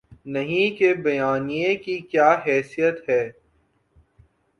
نہیں کے بیانیے کی کیا حیثیت ہے؟